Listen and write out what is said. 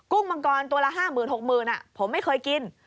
กุ้งมังกรตัวละห้าหมื่นหกหมื่นผมไม่เคยกิน